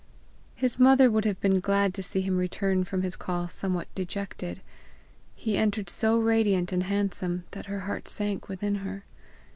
His mother would have been glad to see him return from his call somewhat dejected; he entered so radiant and handsome, that her heart sank within her.